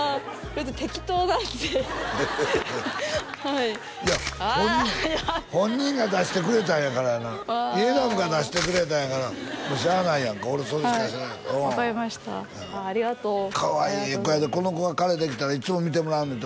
適当なんではいいや本人本人が出してくれたんやからなイェダムが出してくれたんやからもうしゃあないやんか俺それしか知らんはい分かりましたありがとうかわいいええ子やでこの子が彼できたらいつも見てもらうねんて